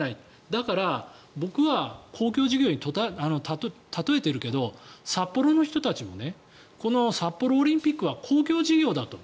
だから、僕は公共事業に例えているけれど札幌の人たちも札幌オリンピックは公共事業だと。